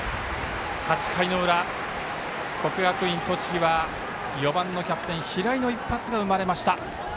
８回の裏、国学院栃木は４番のキャプテンの平井の一発が生まれました。